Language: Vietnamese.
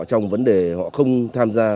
trong vấn đề họ không tham gia